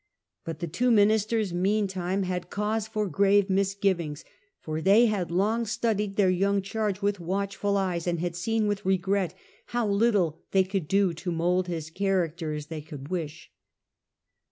But the two ministers meantime had cause for grave mis though they givings, for they had long studied their young for^gravr charge with watchful eyes, and had seen with misgivings. regret how little they could do to mould his character as they could wish.